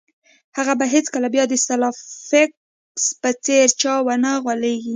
هغه به هیڅکله بیا د سلای فاکس په څیر چا ونه غولیږي